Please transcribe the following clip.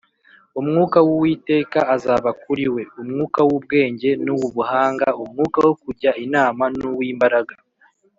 : Umwuka w’Uwiteka azaba kuri we, umwuka w’ubwenge n’uw’ubuhanga, umwuka wo kujya inama n’uw’imbaraga